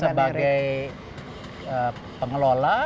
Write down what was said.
sebagai pengelola harus